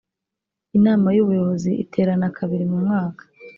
inama y ubuyobozi iterana kabili mu mwaka